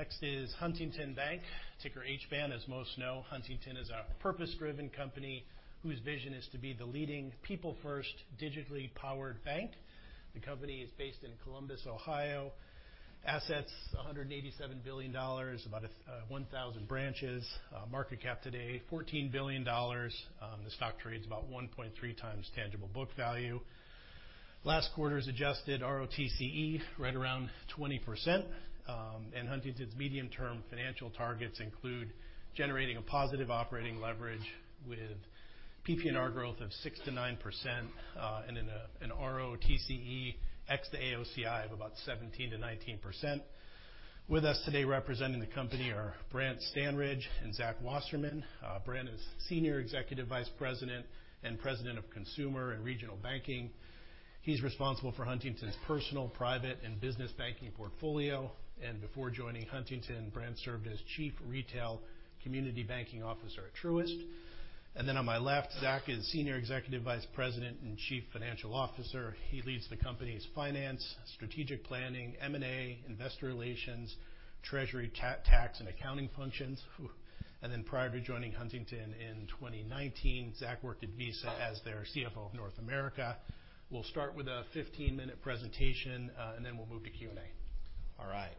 Next is Huntington Bank, ticker HBAN. As most know, Huntington is a purpose-driven company whose vision is to be the leading people first, digitally powered bank. The company is based in Columbus, Ohio. Assets, $187 billion, about, 1,000 branches. Market cap today, $14 billion. The stock trades about 1.3x tangible book value. Last quarter's adjusted ROTCE, right around 20%. And Huntington's medium-term financial targets include generating a positive operating leverage with PPNR growth of 6%-9%, and an ROTCE ex the AOCI of about 17%-19%. With us today, representing the company are Brant Standridge and Zach Wasserman. Brant is Senior Executive Vice President and President of Consumer and Regional Banking. He's responsible for Huntington's personal, private, and business banking portfolio, and before joining Huntington, Brant served as Chief Retail Community Banking Officer at Truist. Then, on my left, Zach is Senior Executive Vice President and Chief Financial Officer. He leads the company's finance, strategic planning, M&A, investor relations, treasury, tax, and accounting functions, whew. Then, prior to joining Huntington in 2019, Zach worked at Visa as their CFO of North America. We'll start with a 15-minute presentation, and then we'll move to Q&A. All right.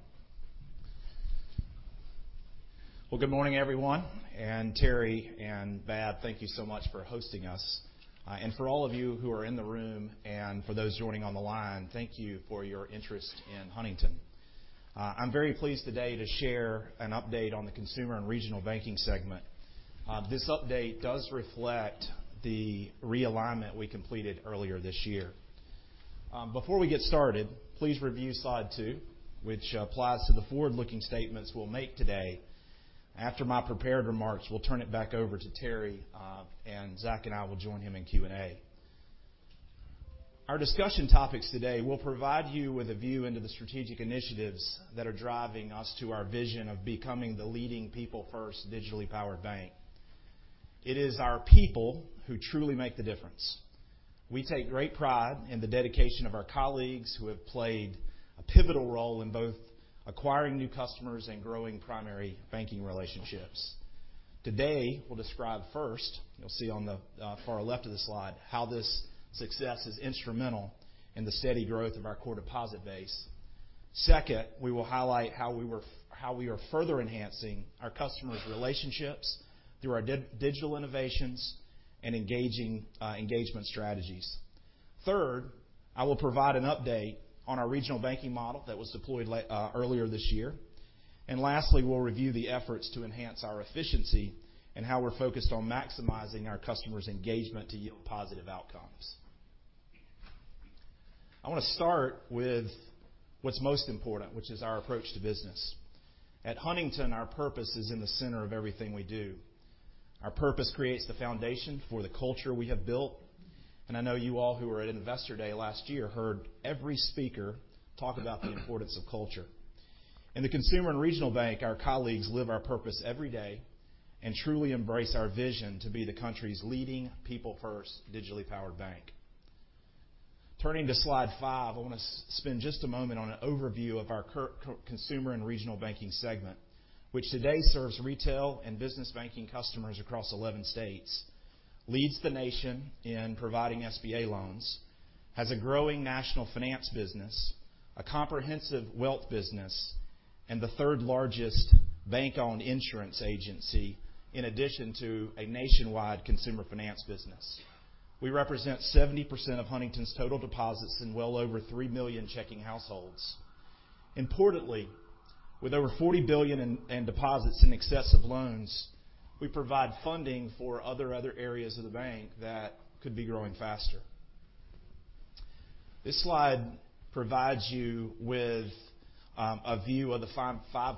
Well, good morning, everyone, and Terry and Bab, thank you so much for hosting us. And for all of you who are in the room and for those joining on the line, thank you for your interest in Huntington. I'm very pleased today to share an update on the consumer and regional banking segment. This update does reflect the realignment we completed earlier this year. Before we get started, please review slide two, which applies to the forward-looking statements we'll make today. After my prepared remarks, we'll turn it back over to Terry, and Zach and I will join him in Q&A. Our discussion topics today will provide you with a view into the strategic initiatives that are driving us to our vision of becoming the leading people first digitally powered bank. It is our people who truly make the difference. We take great pride in the dedication of our colleagues, who have played a pivotal role in both acquiring new customers and growing primary banking relationships. Today, we'll describe first, you'll see on the far left of the slide, how this success is instrumental in the steady growth of our core deposit base. Second, we will highlight how we are further enhancing our customers' relationships through our digital innovations and engaging engagement strategies. Third, I will provide an update on our regional banking model that was deployed earlier this year, and lastly, we'll review the efforts to enhance our efficiency and how we're focused on maximizing our customers' engagement to yield positive outcomes. I want to start with what's most important, which is our approach to business. At Huntington, our purpose is in the center of everything we do. Our purpose creates the foundation for the culture we have built, and I know you all who were at Investor Day last year heard every speaker talk about the importance of culture. In the consumer and regional bank, our colleagues live our purpose every day and truly embrace our vision to be the country's leading people first, digitally powered bank. Turning to slide five, I want to spend just a moment on an overview of our consumer and regional banking segment, which today serves retail and business banking customers across 11 states, leads the nation in providing SBA loans, has a growing national finance business, a comprehensive wealth business, and the third-largest bank-owned insurance agency, in addition to a nationwide consumer finance business. We represent 70% of Huntington's total deposits in well over 3 million checking households. Importantly, with over $40 billion in deposits in excess of loans, we provide funding for other areas of the bank that could be growing faster. This slide provides you with a view of the five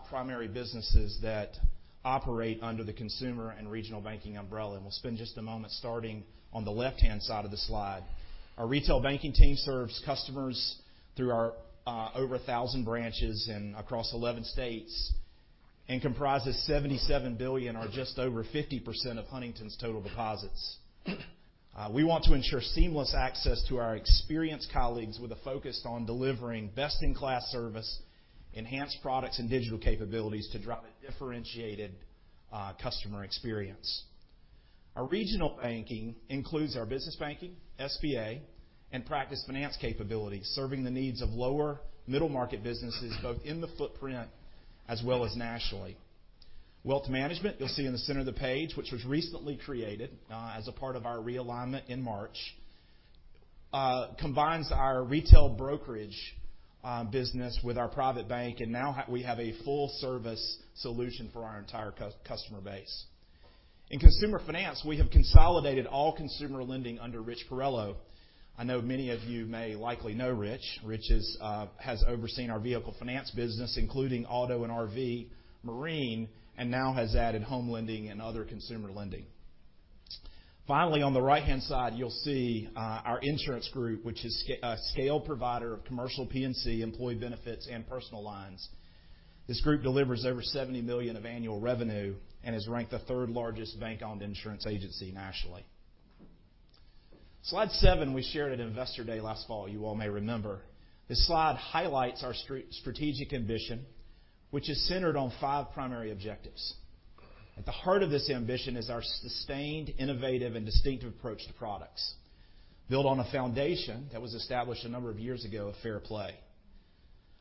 primary businesses that operate under the consumer and regional banking umbrella, and we'll spend just a moment starting on the left-hand side of the slide. Our retail banking team serves customers through our over 1,000 branches and across 11 states, and comprises $77 billion or just over 50% of Huntington's total deposits. We want to ensure seamless access to our experienced colleagues with a focus on delivering best-in-class service, enhanced products, and digital capabilities to drive a differentiated customer experience. Our regional banking includes our business banking, SBA, and practice finance capabilities, serving the needs of lower, middle-market businesses, both in the footprint as well as nationally. Wealth management, you'll see in the center of the page, which was recently created, as a part of our realignment in March, combines our retail brokerage, business with our private bank, and now we have a full service solution for our entire customer base. In consumer finance, we have consolidated all consumer lending under Rich Porrello. I know many of you may likely know Rich. Rich is, has overseen our vehicle finance business, including Auto and RV, Marine, and now has added home lending and other consumer lending. Finally, on the right-hand side, you'll see, our insurance group, which is a scale provider of commercial P&C, employee benefits, and personal lines. This group delivers over $70 million of annual revenue and is ranked the third largest bank-owned insurance agency nationally. Slide seven, we shared at Investor Day last fall, you all may remember. This slide highlights our strategic ambition, which is centered on five primary objectives. At the heart of this ambition is our sustained, innovative, and distinctive approach to products, built on a foundation that was established a number of years ago of Fair Play.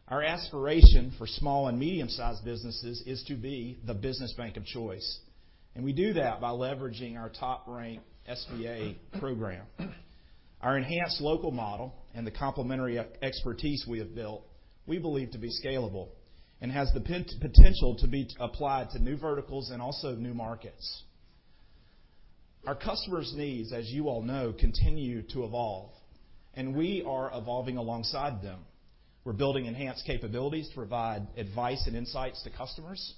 Our aspiration for small and medium-sized businesses is to be the business bank of choice, and we do that by leveraging our top-ranked SBA program. Our enhanced local model and the complementary expertise we have built, we believe to be scalable and has the potential to be applied to new verticals and also new markets. Our customers' needs, as you all know, continue to evolve, and we are evolving alongside them. We're building enhanced capabilities to provide advice and insights to customers,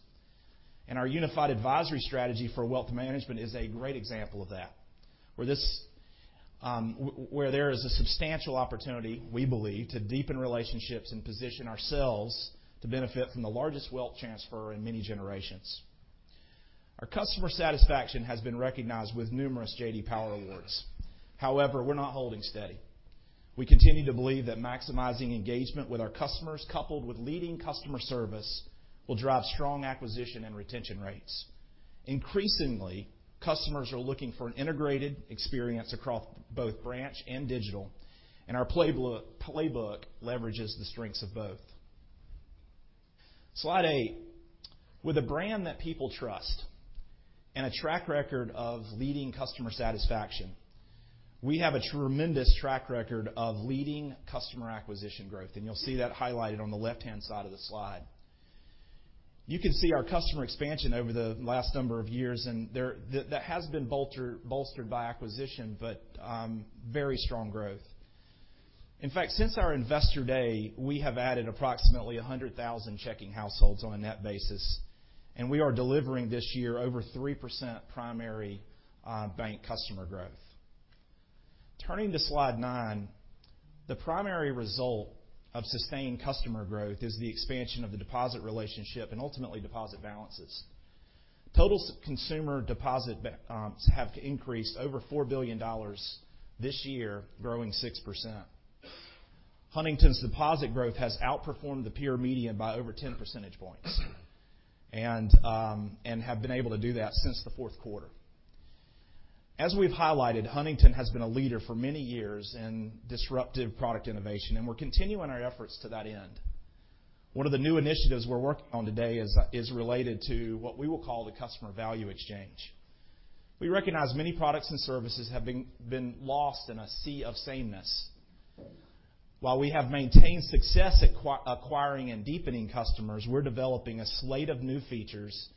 and our unified advisory strategy for wealth management is a great example of that, where there is a substantial opportunity, we believe, to deepen relationships and position ourselves to benefit from the largest wealth transfer in many generations. Our customer satisfaction has been recognized with numerous JD Power Awards. However, we're not holding steady. We continue to believe that maximizing engagement with our customers, coupled with leading customer service, will drive strong acquisition and retention rates. Increasingly, customers are looking for an integrated experience across both branch and digital, and our playbook leverages the strengths of both. Slide eight With a brand that people trust and a track record of leading customer satisfaction, we have a tremendous track record of leading customer acquisition growth, and you'll see that highlighted on the left-hand side of the slide. You can see our customer expansion over the last number of years, and that has been bolstered by acquisition, but very strong growth. In fact, since our Investor Day, we have added approximately 100,000 checking households on a net basis, and we are delivering this year over 3% primary bank customer growth. Turning to slide nine, the primary result of sustained customer growth is the expansion of the deposit relationship and ultimately deposit balances. Total consumer deposit balances have increased over $4 billion this year, growing 6%. Huntington's deposit growth has outperformed the peer median by over 10 percentage points, and have been able to do that since the fourth quarter. As we've highlighted, Huntington has been a leader for many years in disruptive product innovation, and we're continuing our efforts to that end. One of the new initiatives we're working on today is related to what we will call the customer value exchange. We recognize many products and services have been lost in a sea of sameness. While we have maintained success at acquiring and deepening customers, we're developing a slate of new features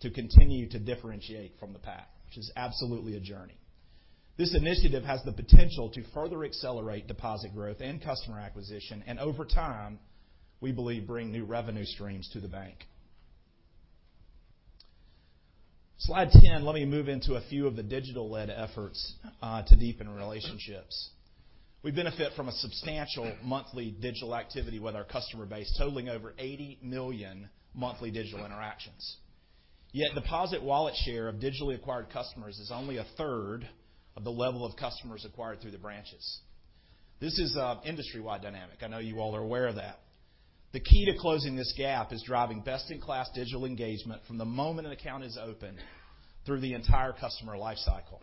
to continue to differentiate from the pack, which is absolutely a journey. This initiative has the potential to further accelerate deposit growth and customer acquisition, and over time, we believe, bring new revenue streams to the bank. Slide 10, let me move into a few of the digital-led efforts to deepen relationships. We benefit from a substantial monthly digital activity with our customer base, totaling over 80 million monthly digital interactions. Yet deposit wallet share of digitally acquired customers is only a third of the level of customers acquired through the branches. This is a industry-wide dynamic. I know you all are aware of that. The key to closing this gap is driving best-in-class digital engagement from the moment an account is opened through the entire customer life cycle.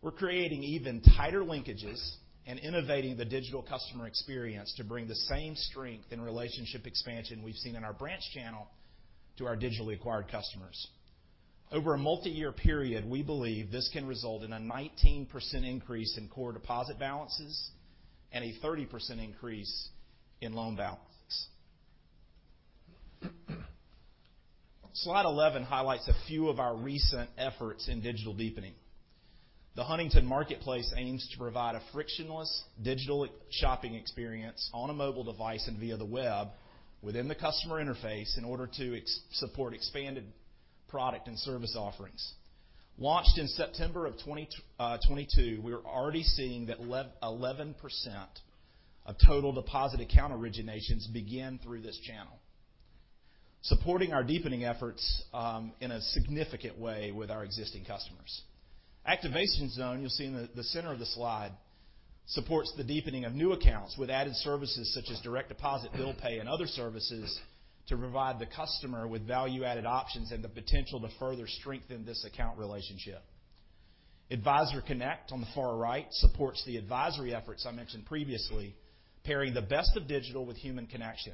We're creating even tighter linkages and innovating the digital customer experience to bring the same strength in relationship expansion we've seen in our branch channel to our digitally acquired customers. Over a multiyear period, we believe this can result in a 19% increase in core deposit balances and a 30% increase in loan balances. Slide 11 highlights a few of our recent efforts in digital deepening. The Huntington Marketplace aims to provide a frictionless digital shopping experience on a mobile device and via the web within the customer interface in order to support expanded product and service offerings. Launched in September of 2022, we're already seeing that 11% of total deposit account originations begin through this channel, supporting our deepening efforts in a significant way with our existing customers. Activation Zone, you'll see in the center of the slide, supports the deepening of new accounts with added services such as direct deposit, bill pay, and other services to provide the customer with value-added options and the potential to further strengthen this account relationship. Advisor Connect, on the far right, supports the advisory efforts I mentioned previously, pairing the best of digital with human connection.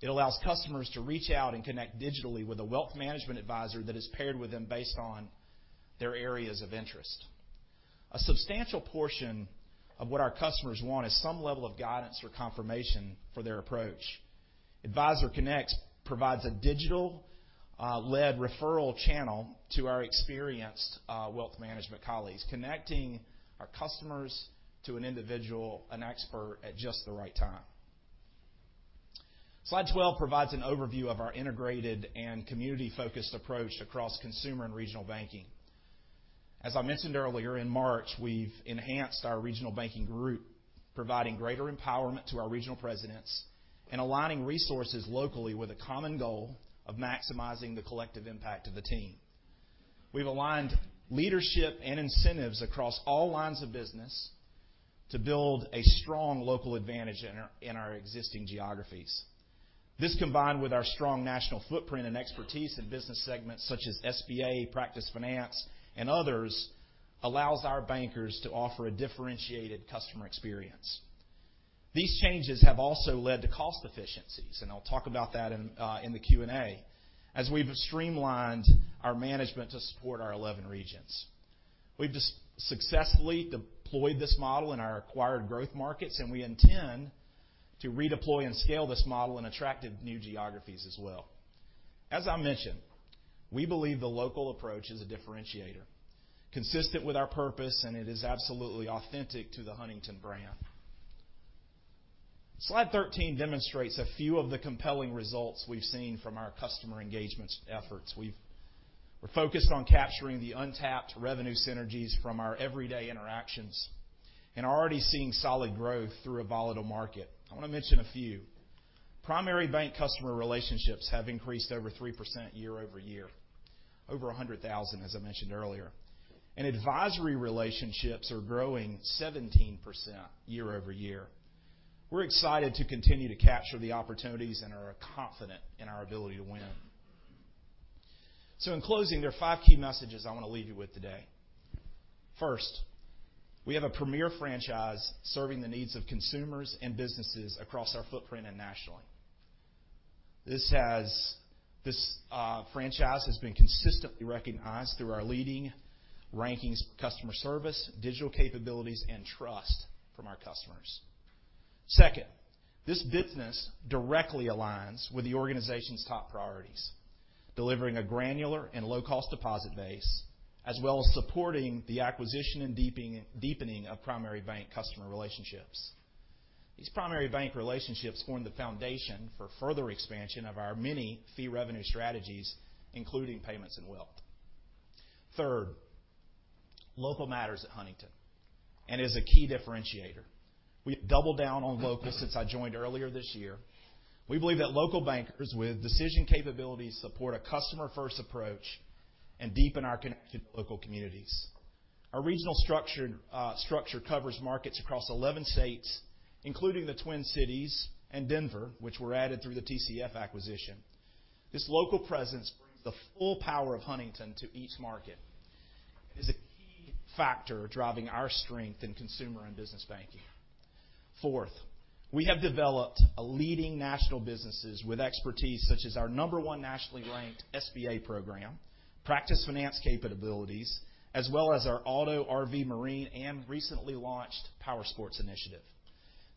It allows customers to reach out and connect digitally with a wealth management advisor that is paired with them based on their areas of interest. A substantial portion of what our customers want is some level of guidance or confirmation for their approach. Advisor Connect provides a digital, led referral channel to our experienced, wealth management colleagues, connecting our customers to an individual, an expert, at just the right time. Slide 12 provides an overview of our integrated and community-focused approach across consumer and regional banking. As I mentioned earlier, in March, we've enhanced our regional banking group, providing greater empowerment to our regional presidents and aligning resources locally with a common goal of maximizing the collective impact of the team. We've aligned leadership and incentives across all lines of business to build a strong local advantage in our existing geographies. This, combined with our strong national footprint and expertise in business segments such as SBA, Practice Finance, and others, allows our bankers to offer a differentiated customer experience. These changes have also led to cost efficiencies, and I'll talk about that in, in the Q&A, as we've streamlined our management to support our 11 regions. We've just successfully deployed this model in our acquired growth markets, and we intend to redeploy and scale this model in attractive new geographies as well. As I mentioned, we believe the local approach is a differentiator, consistent with our purpose, and it is absolutely authentic to the Huntington brand. Slide 13 demonstrates a few of the compelling results we've seen from our customer engagements efforts. We're focused on capturing the untapped revenue synergies from our everyday interactions and are already seeing solid growth through a volatile market. I want to mention a few. Primary bank customer relationships have increased over 3% year-over-year, over 100,000, as I mentioned earlier, and advisory relationships are growing 17% year-over-year. We're excited to continue to capture the opportunities and are confident in our ability to win. So in closing, there are 5 key messages I want to leave you with today. First, we have a premier franchise serving the needs of consumers and businesses across our footprint and nationally. This has, this, franchise has been consistently recognized through our leading rankings, customer service, digital capabilities, and trust from our customers. Second, this business directly aligns with the organization's top priorities, delivering a granular and low-cost deposit base, as well as supporting the acquisition and deepening, deepening of primary bank customer relationships. These primary bank relationships form the foundation for further expansion of our many fee revenue strategies, including payments and wealth. Third, local matters at Huntington and is a key differentiator. We've doubled down on local since I joined earlier this year. We believe that local bankers with decision capabilities support a customer-first approach and deepen our connection to local communities. Our regional structure covers markets across 11 states, including the Twin Cities and Denver, which were added through the TCF acquisition. This local presence brings the full power of Huntington to each market and is a key factor driving our strength in consumer and business banking. Fourth, we have developed a leading national businesses with expertise such as our No. 1 nationally ranked SBA program, Practice Finance capabilities, as well as our auto, RV, marine, and recently launched powersports initiative.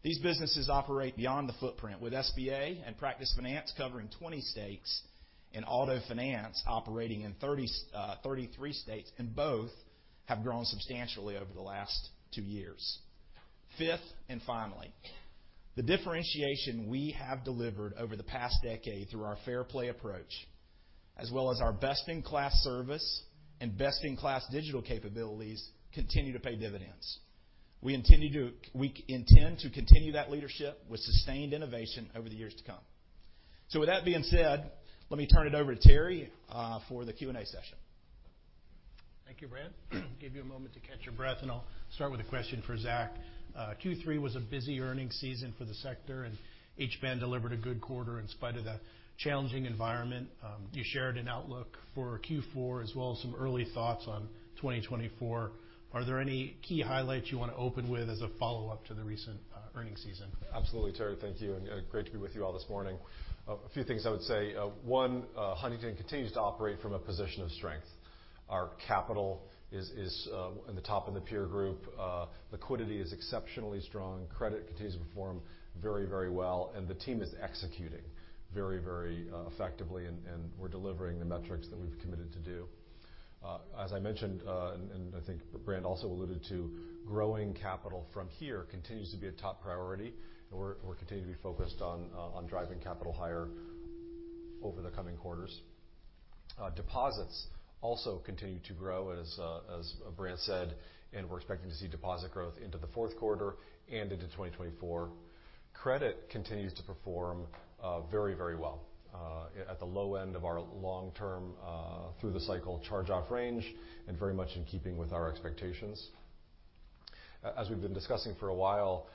These businesses operate beyond the footprint, with SBA and Practice Finance covering 20 states and auto finance operating in 33 states, and both have grown substantially over the last two years. Fifth, and finally, the differentiation we have delivered over the past decade through our Fair Play approach, as well as our best-in-class service and best-in-class digital capabilities, continue to pay dividends. We intend to continue that leadership with sustained innovation over the years to come. So with that being said, let me turn it over to Terry for the Q&A session. Thank you, Brant. Give you a moment to catch your breath, and I'll start with a question for Zach. Q3 was a busy earnings season for the sector, and each bank delivered a good quarter in spite of the challenging environment. You shared an outlook for Q4, as well as some early thoughts on 2024. Are there any key highlights you want to open with as a follow-up to the recent earnings season? Absolutely, Terry. Thank you, and great to be with you all this morning. A few things I would say. One, Huntington continues to operate from a position of strength. Our capital is in the top of the peer group, liquidity is exceptionally strong, credit continues to perform very, very well, and the team is executing very, very effectively, and we're delivering the metrics that we've committed to do. As I mentioned, and I think Brant also alluded to, growing capital from here continues to be a top priority, and we're continuing to be focused on driving capital higher over the coming quarters. Deposits also continue to grow, as Brant said, and we're expecting to see deposit growth into the fourth quarter and into 2024. Credit continues to perform very, very well at the low end of our long-term through-the-cycle charge-off range, and very much in keeping with our expectations. As we've been discussing for a while,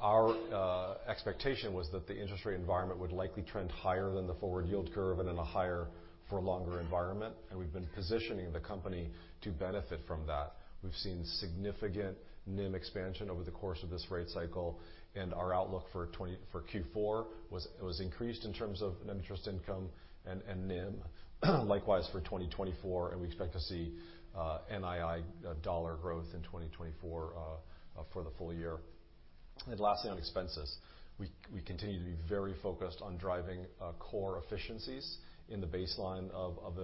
our expectation was that the interest rate environment would likely trend higher than the forward yield curve and in a higher for longer environment, and we've been positioning the company to benefit from that. We've seen significant NIM expansion over the course of this rate cycle, and our outlook for Q4 was increased in terms of net interest income and NIM. Likewise, for 2024, and we expect to see NII dollar growth in 2024 for the full year. And lastly, on expenses, we continue to be very focused on driving core efficiencies in the baseline of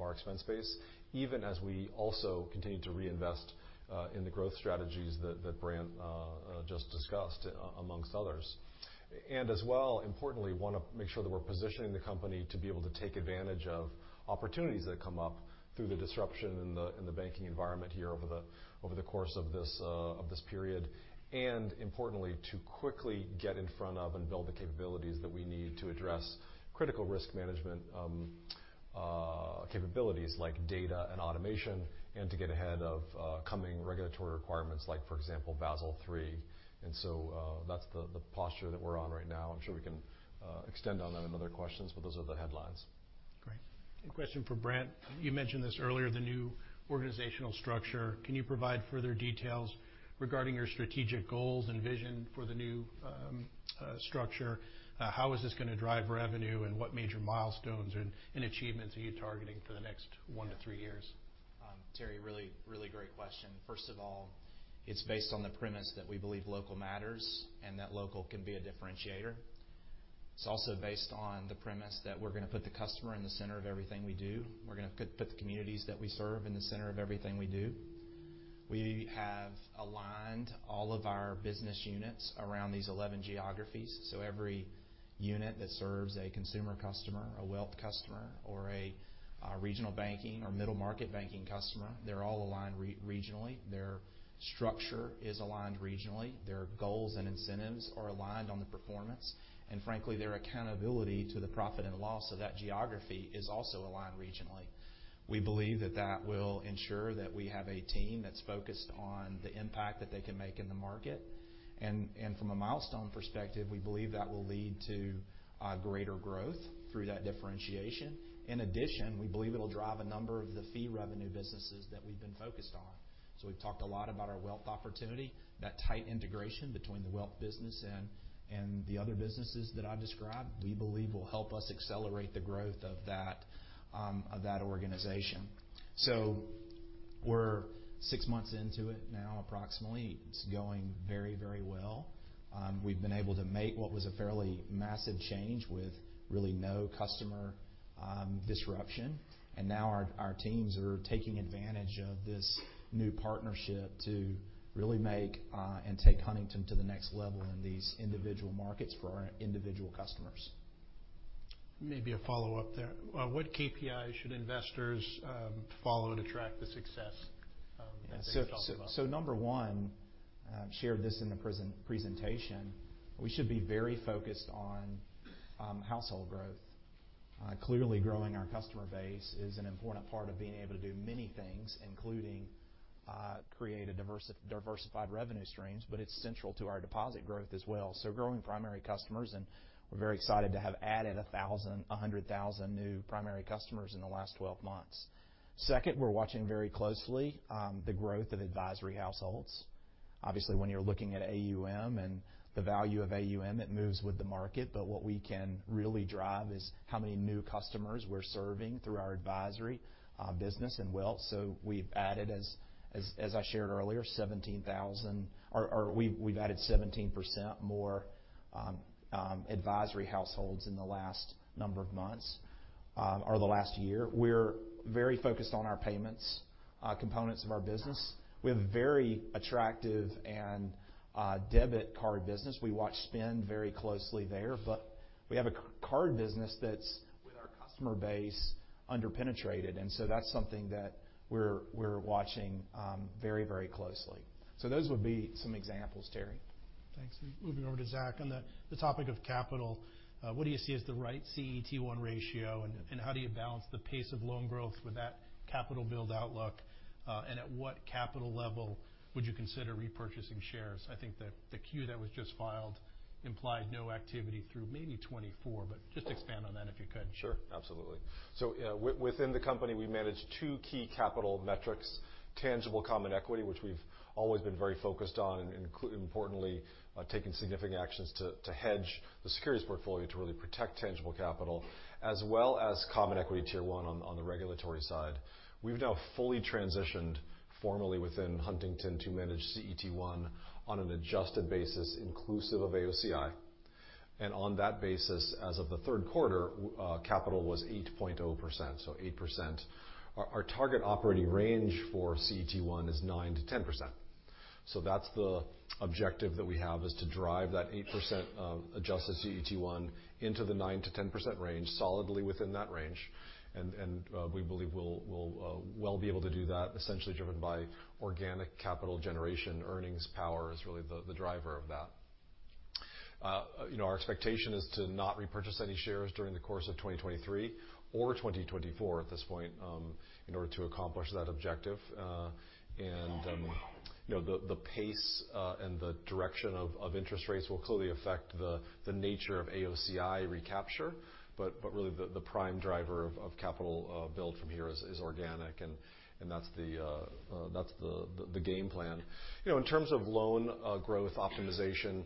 our expense base, even as we also continue to reinvest in the growth strategies that Brant just discussed, among others. And as well, importantly, want to make sure that we're positioning the company to be able to take advantage of opportunities that come up through the disruption in the banking environment here over the course of this period. And importantly, to quickly get in front of and build the capabilities that we need to address critical risk management capabilities, like data and automation, and to get ahead of coming regulatory requirements, like, for example, Basel III. And so, that's the posture that we're on right now. I'm sure we can extend on that in other questions, but those are the headlines. Great. A question for Brant. You mentioned this earlier, the new organizational structure. Can you provide further details regarding your strategic goals and vision for the new structure? How is this going to drive revenue, and what major milestones and achievements are you targeting for the next one to three years? Terry, really, really great question. First of all, it's based on the premise that we believe local matters and that local can be a differentiator. It's also based on the premise that we're going to put the customer in the center of everything we do. We're going to put the communities that we serve in the center of everything we do. We have aligned all of our business units around these 11 geographies, so every unit that serves a consumer customer, a wealth customer, or a regional banking or middle-market banking customer, they're all aligned re-regionally. Their structure is aligned regionally. Their goals and incentives are aligned on the performance, and frankly, their accountability to the profit and loss of that geography is also aligned regionally. We believe that that will ensure that we have a team that's focused on the impact that they can make in the market. And, and from a milestone perspective, we believe that will lead to greater growth through that differentiation. In addition, we believe it'll drive a number of the fee revenue businesses that we've been focused on. So we've talked a lot about our wealth opportunity, that tight integration between the wealth business and, and the other businesses that I described, we believe will help us accelerate the growth of that of that organization. So we're six months into it now, approximately. It's going very, very well. We've been able to make what was a fairly massive change with really no customer disruption. Now our teams are taking advantage of this new partnership to really make and take Huntington to the next level in these individual markets for our individual customers. Maybe a follow-up there. What KPIs should investors follow to track the success that you're talking about? So number one, I shared this in the presentation. We should be very focused on household growth. Clearly, growing our customer base is an important part of being able to do many things, including create a diversified revenue streams, but it's central to our deposit growth as well. So growing primary customers, and we're very excited to have added 100,000 new primary customers in the last 12 months. Second, we're watching very closely the growth of advisory households. Obviously, when you're looking at AUM and the value of AUM, it moves with the market, but what we can really drive is how many new customers we're serving through our advisory business and wealth. So we've added, as I shared earlier, 17,000 -- or we've added 17% more advisory households in the last number of months, or the last year. We're very focused on our payments components of our business. We have a very attractive and debit card business. We watch spend very closely there, but we have a c-card business that's with our customer base under-penetrated, and so that's something that we're watching very, very closely. So those would be some examples, Terry. Thanks. Moving over to Zach. On the topic of capital, what do you see as the right CET1 ratio, and how do you balance the pace of loan growth with that capital build outlook? And at what capital level would you consider repurchasing shares? I think that the Q that was just filed implied no activity through maybe 2024, but just expand on that, if you could. Sure. Absolutely. So, within the company, we manage two key capital metrics: tangible common equity, which we've always been very focused on, and include, importantly, taking significant actions to hedge the securities portfolio to really protect tangible capital, as well as Common Equity Tier 1 on the regulatory side. We've now fully transitioned formally within Huntington to manage CET1 on an adjusted basis, inclusive of AOCI. And on that basis, as of the third quarter, capital was 8.0%, so 8%. Our target operating range for CET1 is 9%-10%. So that's the objective that we have, is to drive that 8% of adjusted CET1 into the 9%-10% range, solidly within that range. And we believe we'll be able to do that, essentially driven by organic capital generation. Earnings power is really the driver of that. You know, our expectation is to not repurchase any shares during the course of 2023 or 2024 at this point, in order to accomplish that objective. And, you know, the pace and the direction of interest rates will clearly affect the nature of AOCI recapture, but really the prime driver of capital build from here is organic, and that's the game plan. You know, in terms of loan growth optimization......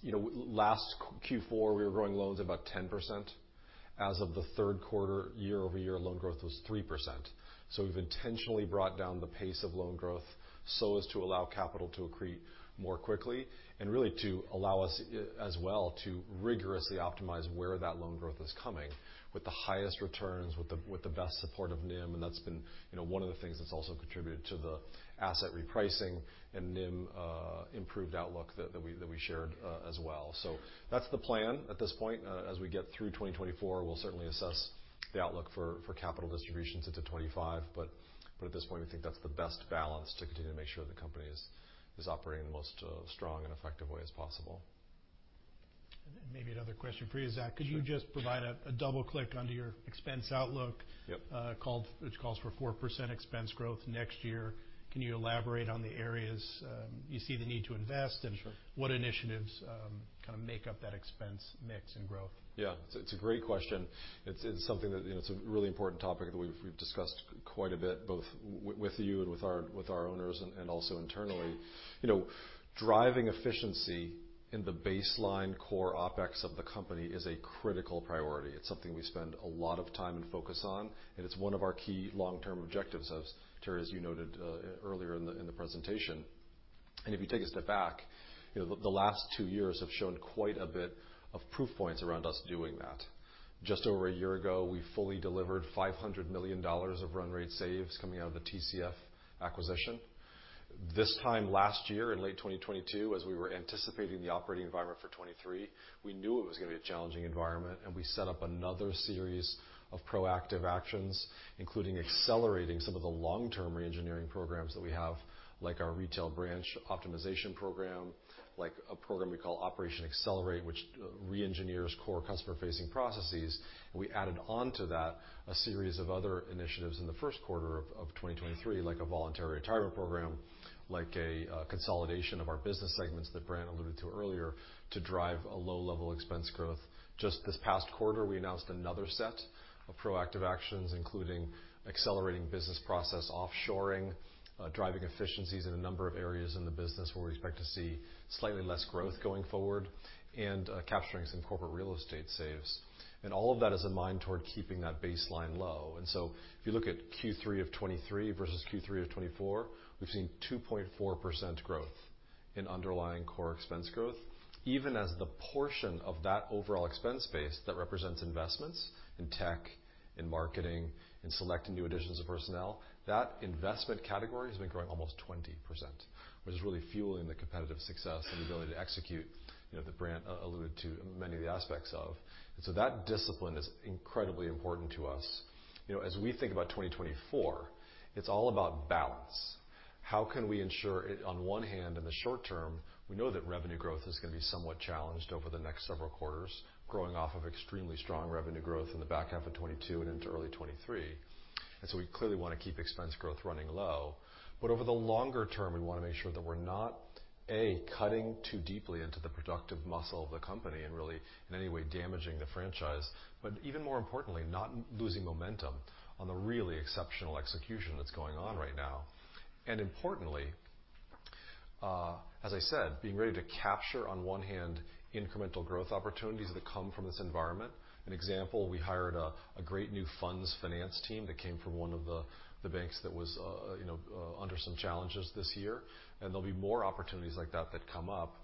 You know, last Q4, we were growing loans about 10%. As of the third quarter, year-over-year loan growth was 3%. So we've intentionally brought down the pace of loan growth so as to allow capital to accrete more quickly, and really to allow us, as well, to rigorously optimize where that loan growth is coming, with the highest returns, with the, with the best support of NIM, and that's been, you know, one of the things that's also contributed to the asset repricing and NIM, improved outlook that, that we, that we shared, as well. So that's the plan at this point. As we get through 2024, we'll certainly assess the outlook for, for capital distributions into 2025, but, but at this point, we think that's the best balance to continue to make sure the company is, is operating in the most, strong and effective way as possible. Maybe another question for you, Zach. Sure. Could you just provide a double-click onto your expense outlook? Yep. called, which calls for 4% expense growth next year? Can you elaborate on the areas you see the need to invest, and- Sure. What initiatives, kinda make up that expense mix and growth? Yeah, it's a great question. It's something that, you know, it's a really important topic that we've discussed quite a bit, both with you and with our owners, and also internally. You know, driving efficiency in the baseline core OpEx of the company is a critical priority. It's something we spend a lot of time and focus on, and it's one of our key long-term objectives, as Terry, as you noted, earlier in the presentation. If you take a step back, you know, the last two years have shown quite a bit of proof points around us doing that. Just over a year ago, we fully delivered $500 million of run rate saves coming out of the TCF acquisition. This time last year, in late 2022, as we were anticipating the operating environment for 2023, we knew it was gonna be a challenging environment, and we set up another series of proactive actions, including accelerating some of the long-term reengineering programs that we have, like our retail branch optimization program, like a program we call Operation Accelerate, which reengineers core customer-facing processes. We added on to that a series of other initiatives in the first quarter of 2023, like a voluntary retirement program, like a consolidation of our business segments that Brant alluded to earlier, to drive a low-level expense growth. Just this past quarter, we announced another set of proactive actions, including accelerating business process offshoring, driving efficiencies in a number of areas in the business where we expect to see slightly less growth going forward, and capturing some corporate real estate saves. And all of that is a mind toward keeping that baseline low. And so if you look at Q3 of 2023 versus Q3 of 2024, we've seen 2.4% growth in underlying core expense growth, even as the portion of that overall expense base that represents investments in tech, in marketing, in select and new additions of personnel, that investment category has been growing almost 20%, which is really fueling the competitive success and ability to execute, you know, that Brant alluded to many of the aspects of. And so that discipline is incredibly important to us. You know, as we think about 2024, it's all about balance. How can we ensure it... On one hand, in the short term, we know that revenue growth is gonna be somewhat challenged over the next several quarters, growing off of extremely strong revenue growth in the back half of 2022 and into early 2023, and so we clearly want to keep expense growth running low. But over the longer term, we want to make sure that we're not, A, cutting too deeply into the productive muscle of the company and really, in any way, damaging the franchise, but even more importantly, not losing momentum on the really exceptional execution that's going on right now. And importantly, as I said, being ready to capture, on one hand, incremental growth opportunities that come from this environment. An example, we hired a great new Funds Finance team that came from one of the banks that was, you know, under some challenges this year, and there'll be more opportunities like that that come up.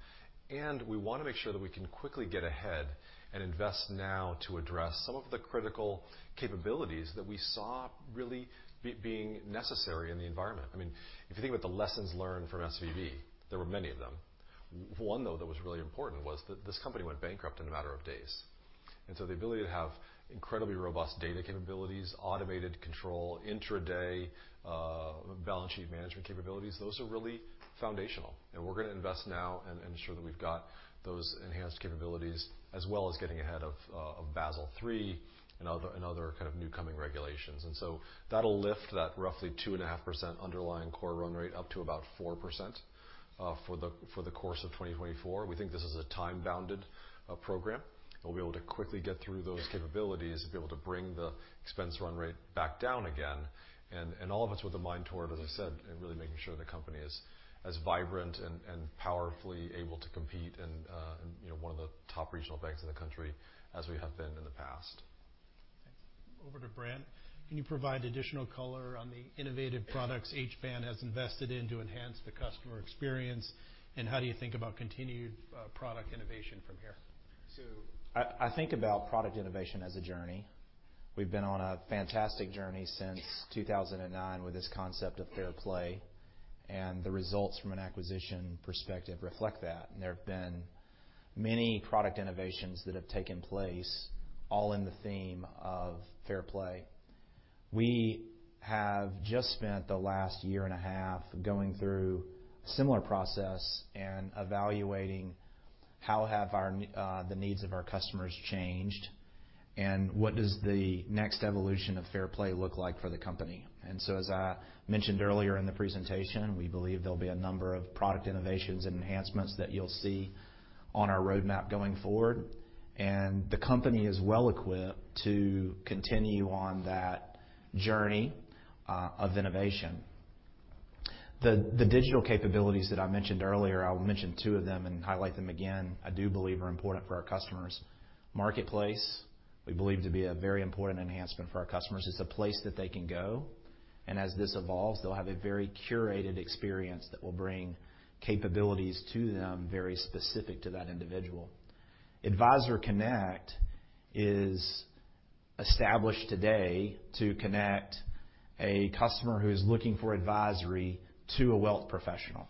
And we want to make sure that we can quickly get ahead and invest now to address some of the critical capabilities that we saw really being necessary in the environment. I mean, if you think about the lessons learned from SVB, there were many of them. One, though, that was really important was that this company went bankrupt in a matter of days. And so the ability to have incredibly robust data capabilities, automated control, intraday, balance sheet management capabilities, those are really foundational, and we're gonna invest now and ensure that we've got those enhanced capabilities, as well as getting ahead of, of Basel III and other, and other kind of new coming regulations. And so that'll lift that roughly 2.5% underlying core run rate up to about 4%, for the, for the course of 2024. We think this is a time-bounded, program. We'll be able to quickly get through those capabilities and be able to bring the expense run rate back down again. And all of it's with a mind toward, as I said, and really making sure the company is as vibrant and powerfully able to compete and, you know, one of the top regional banks in the country, as we have been in the past. Over to Brant. Can you provide additional color on the innovative products each bank has invested in to enhance the customer experience? And how do you think about continued product innovation from here? So I, I think about product innovation as a journey. We've been on a fantastic journey since 2009 with this concept of Fair Play, and the results from an acquisition perspective reflect that, and there have been many product innovations that have taken place, all in the theme of Fair Play. We have just spent the last year and a half going through similar process and evaluating how have our, the needs of our customers changed, and what does the next evolution of Fair Play look like for the company? And so, as I mentioned earlier in the presentation, we believe there'll be a number of product innovations and enhancements that you'll see on our roadmap going forward, and the company is well-equipped to continue on that journey, of innovation.... The digital capabilities that I mentioned earlier, I'll mention two of them and highlight them again, I do believe are important for our customers. Marketplace, we believe to be a very important enhancement for our customers. It's a place that they can go, and as this evolves, they'll have a very curated experience that will bring capabilities to them, very specific to that individual. Advisor Connect is established today to connect a customer who is looking for advisory to a wealth professional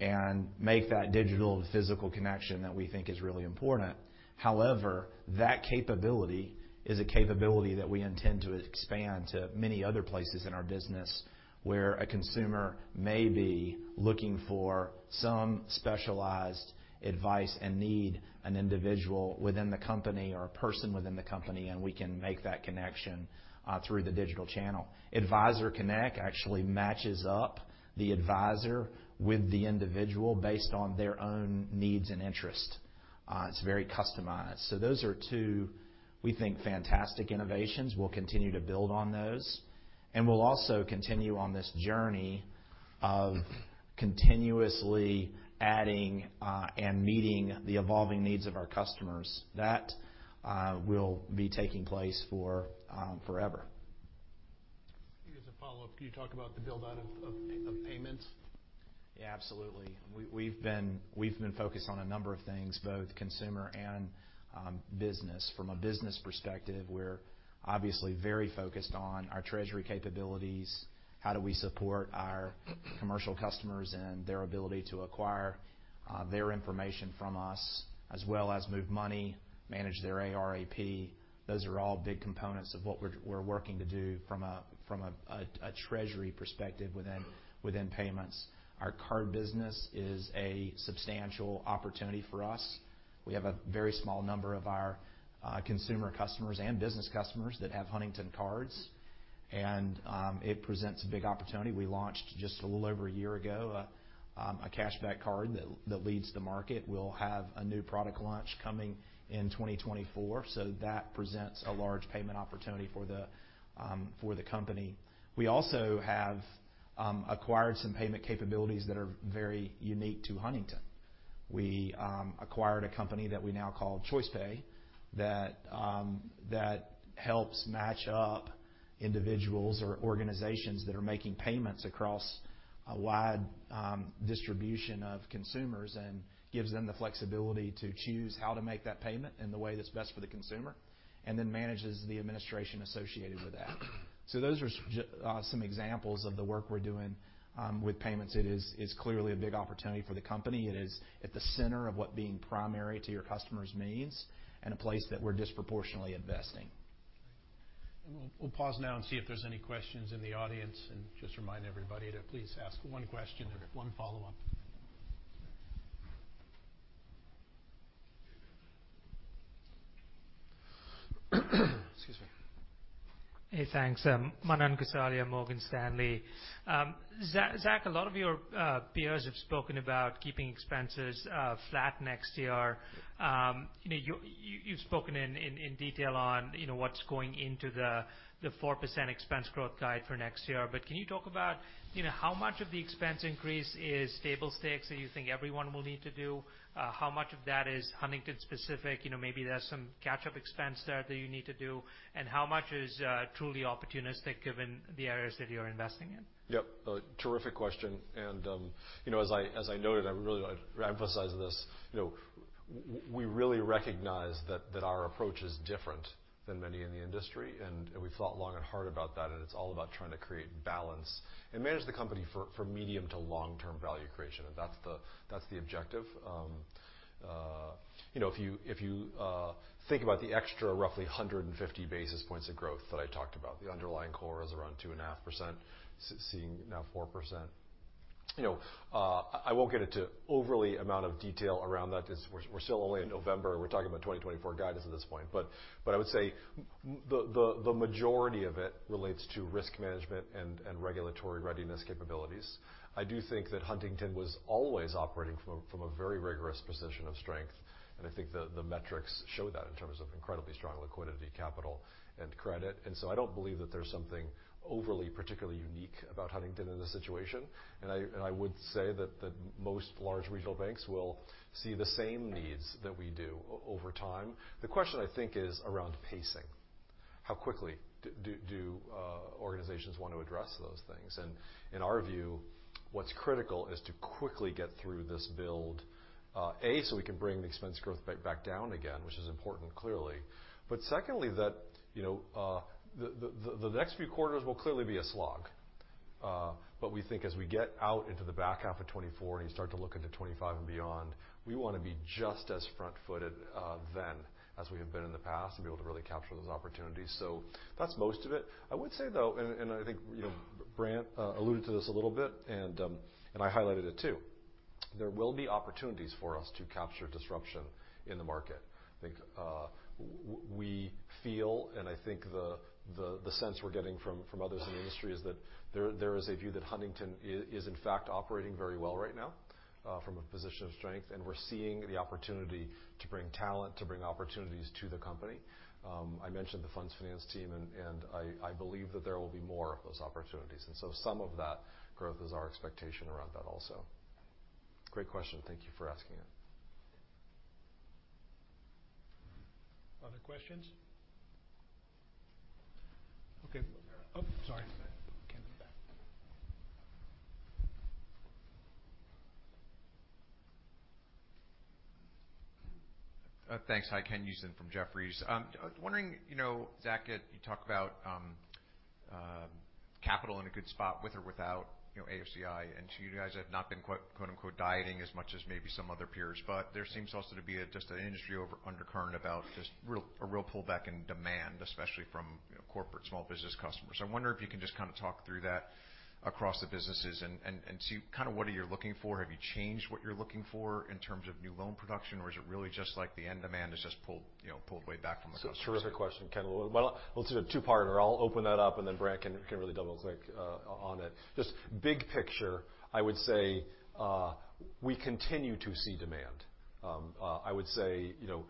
and make that digital-to-physical connection that we think is really important. However, that capability is a capability that we intend to expand to many other places in our business, where a consumer may be looking for some specialized advice and need an individual within the company or a person within the company, and we can make that connection through the digital channel. Advisor Connect actually matches up the advisor with the individual based on their own needs and interests. It's very customized. So those are two, we think, fantastic innovations. We'll continue to build on those, and we'll also continue on this journey of continuously adding, and meeting the evolving needs of our customers. That will be taking place for forever. Just a follow-up. Can you talk about the build-out of payments? Yeah, absolutely. We've been focused on a number of things, both consumer and business. From a business perspective, we're obviously very focused on our treasury capabilities. How do we support our commercial customers and their ability to acquire their information from us, as well as move money, manage their AR/AP? Those are all big components of what we're working to do from a treasury perspective within payments. Our card business is a substantial opportunity for us. We have a very small number of our consumer customers and business customers that have Huntington cards, and it presents a big opportunity. We launched, just a little over a year ago, a cashback card that leads the market. We'll have a new product launch coming in 2024, so that presents a large payment opportunity for the company. We also have acquired some payment capabilities that are very unique to Huntington. We acquired a company that we now call ChoicePay, that helps match up individuals or organizations that are making payments across a wide distribution of consumers and gives them the flexibility to choose how to make that payment in the way that's best for the consumer, and then manages the administration associated with that. So those are just some examples of the work we're doing with payments. It's clearly a big opportunity for the company. It is at the center of what being primary to your customers means, and a place that we're disproportionately investing. We'll pause now and see if there's any questions in the audience, and just remind everybody to please ask one question and one follow-up. Excuse me. Hey, thanks. Manan Gosalia, Morgan Stanley. Zach, a lot of your peers have spoken about keeping expenses flat next year. You know, you've spoken in detail on what's going into the 4% expense growth guide for next year. But can you talk about how much of the expense increase is stable stakes that you think everyone will need to do? How much of that is Huntington specific? You know, maybe there's some catch-up expense there that you need to do. And how much is truly opportunistic given the areas that you're investing in? Yep. A terrific question, and, you know, as I noted, I really want to emphasize this. You know, we really recognize that our approach is different than many in the industry, and we've thought long and hard about that, and it's all about trying to create balance and manage the company for medium- to long-term value creation, and that's the objective. You know, if you think about the extra roughly 150 basis points of growth that I talked about, the underlying core is around 2.5%, seeing now 4%. You know, I won't get into overly amount of detail around that. As we're still only in November. We're talking about 2024 guidance at this point. But I would say the majority of it relates to risk management and regulatory readiness capabilities. I do think that Huntington was always operating from a very rigorous position of strength, and I think the metrics show that in terms of incredibly strong liquidity, capital, and credit. And so I don't believe that there's something overly particularly unique about Huntington in this situation. And I would say that the most large regional banks will see the same needs that we do over time. The question, I think, is around pacing. How quickly do organizations want to address those things? And in our view, what's critical is to quickly get through this build, so we can bring the expense growth back down again, which is important, clearly. But secondly, that, you know, the next few quarters will clearly be a slog. But we think as we get out into the back half of 2024 and you start to look into 2025 and beyond, we want to be just as front-footed, then as we have been in the past and be able to really capture those opportunities. So that's most of it. I would say, though, and I think, you know, Brant, alluded to this a little bit, and I highlighted it, too. There will be opportunities for us to capture disruption in the market. I think we feel, and I think the sense we're getting from others in the industry is that there is a view that Huntington is, in fact, operating very well right now from a position of strength, and we're seeing the opportunity to bring talent, to bring opportunities to the company. I mentioned the funds finance team, and I believe that there will be more of those opportunities, and so some of that growth is our expectation around that also. Great question. Thank you for asking it.... Other questions? Okay. Oh, sorry, Ken in the back. Thanks. Hi, Ken Usdin from Jefferies. I was wondering, you know, Zach, you talk about capital in a good spot with or without, you know, AOCI, and so you guys have not been, quote unquote, “dieting” as much as maybe some other peers. But there seems also to be just an industry undercurrent about a real pullback in demand, especially from, you know, corporate small business customers. I wonder if you can just kind of talk through that across the businesses and so kind of what are you looking for? Have you changed what you're looking for in terms of new loan production, or is it really just like the end demand is just pulled, you know, way back from the- So terrific question, Ken. Well, it's a two-parter. I'll open that up, and then Brant can really double-click on it. Just big picture, I would say, we continue to see demand. I would say, you know,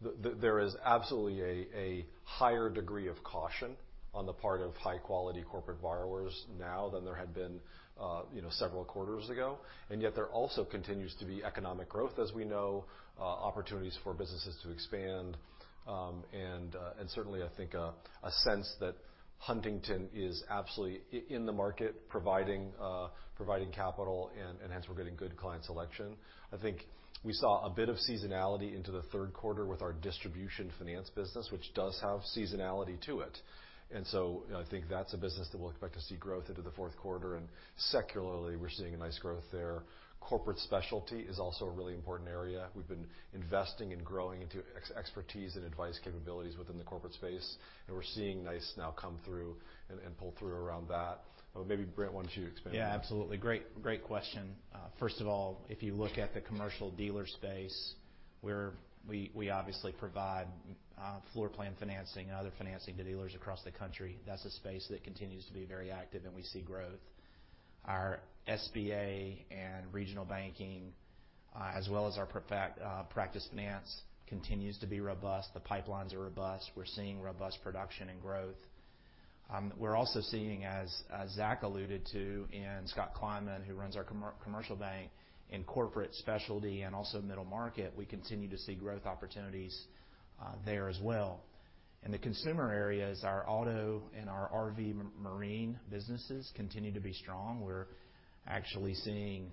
the, there is absolutely a higher degree of caution on the part of high-quality corporate borrowers now than there had been, you know, several quarters ago. And yet there also continues to be economic growth as we know, opportunities for businesses to expand, and certainly, I think, a sense that Huntington is absolutely in the market providing capital, and hence we're getting good client selection. I think we saw a bit of seasonality into the third quarter with our Distribution Finance business, which does have seasonality to it. I think that's a business that we'll expect to see growth into the fourth quarter, and secularly, we're seeing a nice growth there. Corporate specialty is also a really important area. We've been investing and growing into expertise and advice capabilities within the corporate space, and we're seeing nice now come through and pull through around that. Maybe, Brant, why don't you expand? Yeah, absolutely. Great, great question. First of all, if you look at the commercial dealer space, where we obviously provide floor plan financing and other financing to dealers across the country, that's a space that continues to be very active, and we see growth. Our SBA and regional banking, as well as our practice finance, continues to be robust. The pipelines are robust. We're seeing robust production and growth. We're also seeing, as Zach alluded to, and Scott Kleinman, who runs our commercial bank in corporate specialty and also middle market, we continue to see growth opportunities there as well. In the consumer areas, our auto and our RV, Marine businesses continue to be strong. We're actually seeing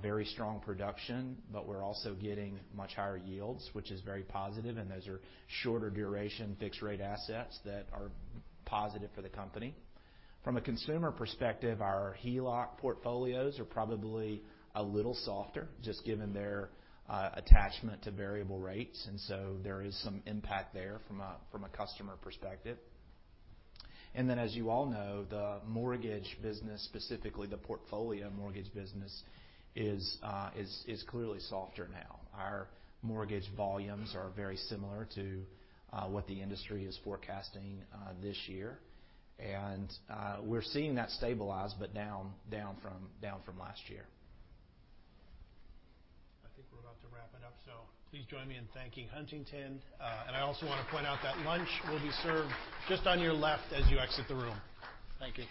very strong production, but we're also getting much higher yields, which is very positive, and those are shorter duration, fixed rate assets that are positive for the company. From a consumer perspective, our HELOC portfolios are probably a little softer, just given their attachment to variable rates, and so there is some impact there from a customer perspective. And then, as you all know, the mortgage business, specifically the portfolio mortgage business, is clearly softer now. Our mortgage volumes are very similar to what the industry is forecasting this year. And we're seeing that stabilize, but down from last year. I think we're about to wrap it up, so please join me in thanking Huntington. I also want to point out that lunch will be served just on your left as you exit the room. Thank you.